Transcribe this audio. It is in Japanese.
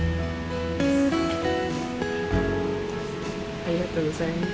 ありがとうございます。